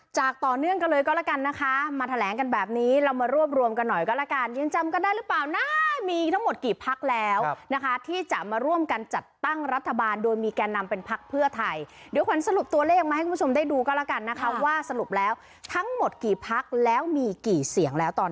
จากต่อเนื่องกันเลยก็แล้วกันนะคะมาแถลงกันแบบนี้เรามารวบรวมกันหน่อยก็แล้วกันยังจำกันได้หรือเปล่านะมีทั้งหมดกี่พักแล้วนะคะที่จะมาร่วมกันจัดตั้งรัฐบาลโดยมีแก่นำเป็นพักเพื่อไทยเดี๋ยวขวัญสรุปตัวเลขมาให้คุณผู้ชมได้ดูก็แล้วกันนะคะว่าสรุปแล้วทั้งหมดกี่พักแล้วมีกี่เสียงแล้วตอน